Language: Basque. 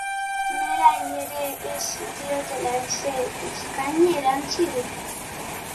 Berari ere ez diotela ezer eskaini erantsi du.